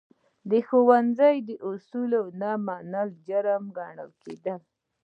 د ښوونځي د اصولو نه منل، جرم ګڼل کېده.